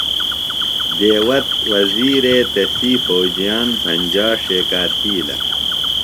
دیوہ وزیرے تسی فوجیان بھنجا ݜیکا تِھیلہ۔